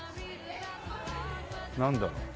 なんだろう？